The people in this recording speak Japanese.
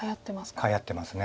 はやってます。